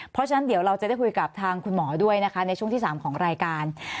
เพราะฉะนั้นเดี๋ยวเราจะได้คุยกับทางคุณหมอด้วยนะคะในช่วงที่๓ของรายการ